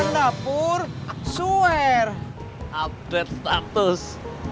kapur suer update status